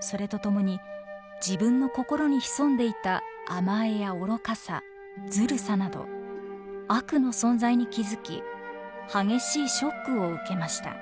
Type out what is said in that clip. それとともに自分の心に潜んでいた甘えや愚かさずるさなど悪の存在に気付き激しいショックを受けました。